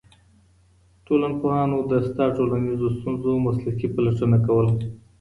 ټولنيزو پوهانو د سته ټولنيزو ستونزو مسلکي پلټنه کوله.